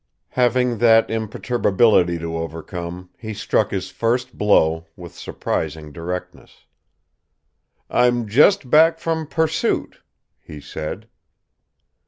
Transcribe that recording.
Having that imperturbability to overcome, he struck his first blow with surprising directness. "I'm just back from Pursuit," he said.